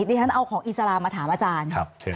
ดิฉันเอาของอิสลามมาถามอาจารย์